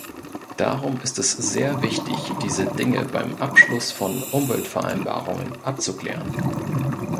Darum ist es sehr wichtig, diese Dinge beim Abschluss von Umweltvereinbarungen abzuklären.